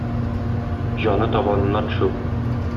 Җаны табанына төшү